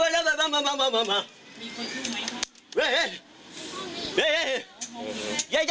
แล้วมานั่งทำไมเนี่ย